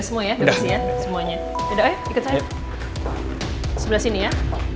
sebagai perang gila